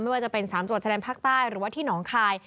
ไม่ว่าจะเป็น๓จังหวัดชายแดนภาคใต้หรือว่าที่หนองคาย